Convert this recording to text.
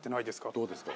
どうですか？